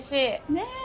ねえ！